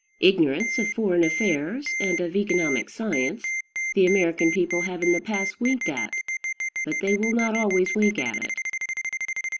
Ignorance of foreign affairs, and of economic science, the American people have in times past winked at; but they will not always wink at it.